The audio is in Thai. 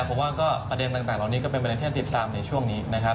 ผมว่าก็ประเด็นแบบเรานี้ก็เป็นการติดตามในช่วงนี้นะครับ